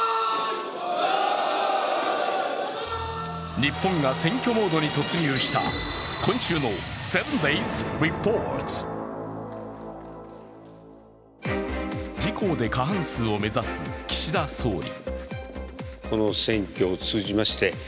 日本が選挙モードに突入した今週の「７ｄａｙｓリポート」自公で過半数を目指す岸田総理。